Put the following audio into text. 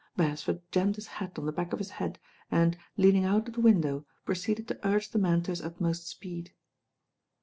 Beresford jammed his hat on the back of his head and, leaning out of the window, proceeded to urge the man to his ut most speed.